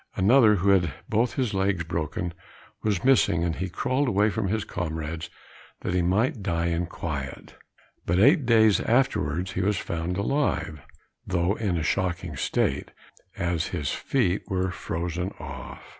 Another, who had both his legs broken, was missing, as he had crawled away from his comrades, that he might die in quiet. But eight days afterwards, he was found alive, though in a shocking state, as his feet were frozen off.